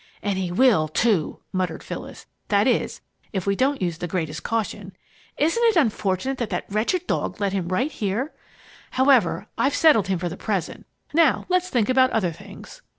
"And he will, too!" muttered Phyllis. "That is, if we don't use the greatest caution. Isn't it unfortunate that that wretched dog led him right here! However, I've settled him for the present, and now let's think about other things."